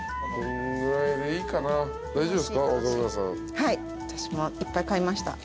はい私もいっぱい買いました。